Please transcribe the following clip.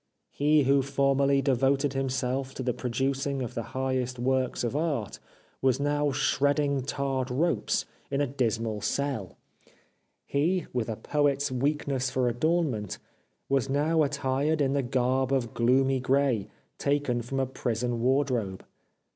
He who formerly devoted himself to the producing of the highest works of Art, was now shredding 387 The Life of Oscar Wilde tarred ropes in a dismal cell. He, with a poet's weakness for adornment, was now attired in the garb of gloomy grey, taken from a prison ward robe.